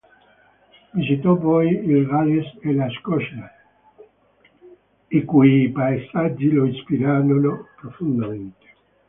Visitò poi il Galles e la Scozia, i cui paesaggi lo ispirarono profondamente.